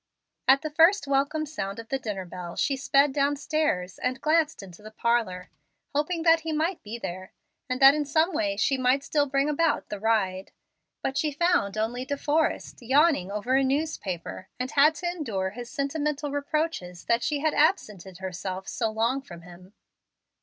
At the first welcome sound of the dinner bell she sped downstairs, and glanced into the parlor, hoping that he might be there, and that in some way she might still bring about the ride. But she found only De Forrest yawning over a newspaper, and had to endure his sentimental reproaches that she had absented herself so long from him.